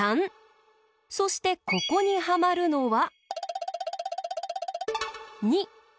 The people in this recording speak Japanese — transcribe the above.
そしてここにはまるのは２。